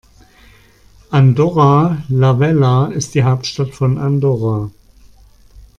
Andorra la Vella ist die Hauptstadt von Andorra.